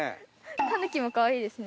タヌキも可愛いですね。